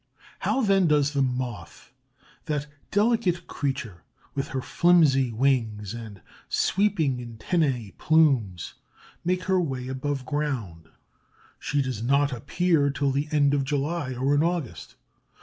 How, then, does the Moth, that delicate creature, with her flimsy wings and sweeping antennæ plumes, make her way above ground? She does not appear till the end of July or in August.